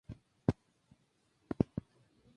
Robertson de la Antártida Oriental.